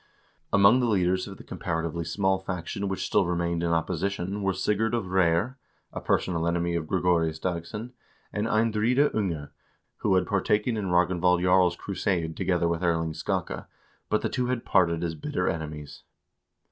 Among the leaders of the compara tively small faction which still remained in opposition were Sigurd of Reyr, a personal enemy of Gregorius Dagss0n, and Eindride Unge, who had partaken in Ragnvald Jarl's crusade together with Erling Skakke, but the two had parted as bitter enemies.